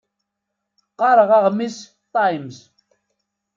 Qqaṛeɣ aɣmis Times.